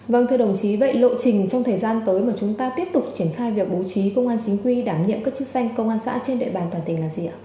vâng thưa đồng chí vậy lộ trình trong thời gian tới mà chúng ta tiếp tục triển khai việc bố trí công an chính quy đảm nhiệm các chức danh công an xã trên địa bàn toàn tỉnh là gì ạ